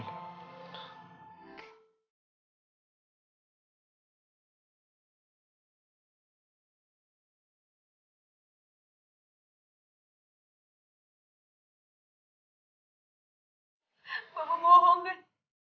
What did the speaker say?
tetap juga diam dan berani